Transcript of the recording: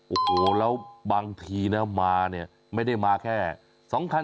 โอ้โหแล้วบางทีนะมาเนี่ยไม่ได้มาแค่๒คัน